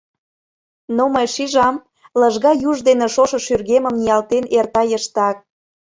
Но мый шижам: лыжга юж дене шошо Шӱргемым ниялтен эрта йыштак.